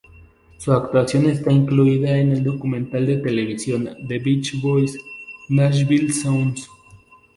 Su actuación está incluida en el documental de televisión "The Beach Boys: Nashville Sounds".